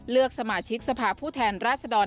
สมาชิกสภาพผู้แทนราชดร